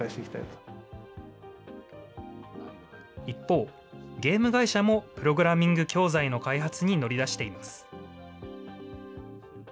一方、ゲーム会社もプログラミング教材の開発に乗り出しています。